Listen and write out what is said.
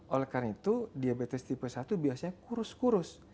oleh karena itu diabetes tipe satu biasanya kurus kurus